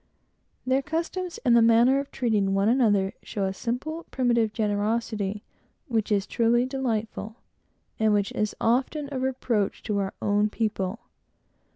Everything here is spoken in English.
Their costumes, and manner of treating one another, show a simple, primitive generosity, which is truly delightful; and which is often a reproach to our own people.